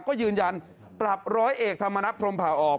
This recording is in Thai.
ก็ยืนยันปรับร้อยเอกธรรมนัฐพรมผ่าออก